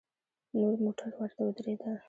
نور موټر ورته ودرېدل.